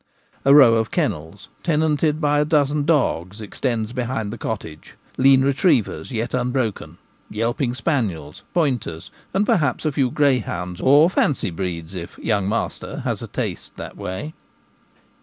A row of kennels, tenanted by a dozen dogs, extends behind the cottage: lean retrievers yet unbroken, yelping spaniels, pointers, and perhaps a few grey hounds or fancy breeds, if ' young master ' has a taste that way.